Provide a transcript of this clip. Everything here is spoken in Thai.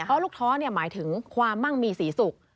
เพราะลูกท้อหมายถึงความมั่งมีศรีสุข